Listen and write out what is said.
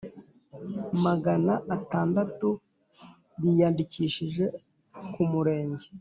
magana atandatu biyandikishije ku murenge